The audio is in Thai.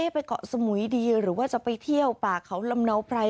ไปเกาะสมุยดีหรือว่าจะไปเที่ยวป่าเขาลำเนาไพร